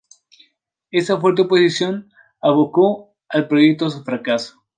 Esta fuerte oposición abocó al proyecto a su fracaso.